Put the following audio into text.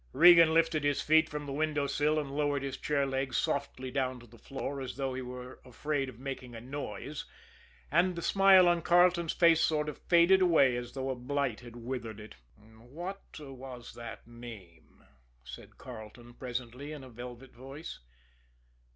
Regan lifted his feet from the window sill and lowered his chair legs softly down to the floor as though he were afraid of making a noise, and the smile on Carleton's face sort of faded away as though a blight had withered it. "What was the name?" said Carleton presently, in a velvet voice.